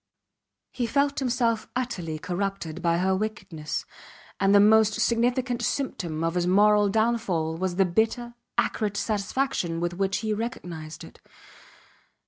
He felt himself utterly corrupted by her wickedness, and the most significant symptom of his moral downfall was the bitter, acrid satisfaction with which he recognized it.